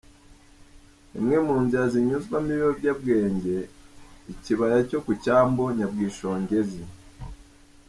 Imwe munzira zinyuzwamo ibiyobyabwenge, ikibaya cyo kucyambu Nyabwishongwezi